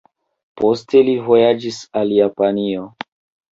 Poste li vojaĝis al Japanio.